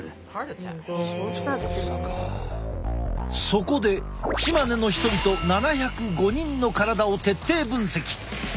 そこでチマネの人々７０５人の体を徹底分析。